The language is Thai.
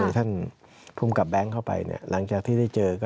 ท่านภูมิกับแบงค์เข้าไปเนี่ยหลังจากที่ได้เจอก็